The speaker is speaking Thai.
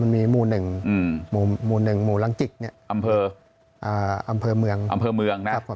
มีหมู่หนึ่งหมู่ลังจิกอำเภอเมือง